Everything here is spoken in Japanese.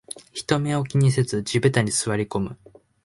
人目を気にせず地べたに座りこむ